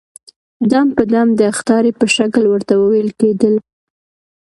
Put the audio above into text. دم په دم د اخطارې په شکل ورته وويل کېدل.